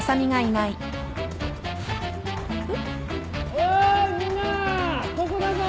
おいみんなここだぞ！